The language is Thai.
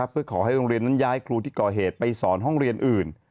เพื่อขอให้โรงเรียนนั้นย้ายครูที่ก่อเหตุไปสอนห้องเรียนอื่น